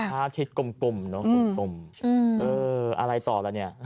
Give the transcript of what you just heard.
พระอาทิตย์กลมเนอะอะไรต่อแล้วเนี่ย